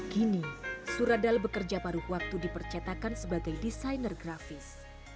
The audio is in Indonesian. kini suradal bekerja paruh waktu di percetakan sebagai desainer grafis